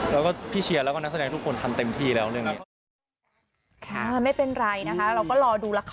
เราก็รอดูละคร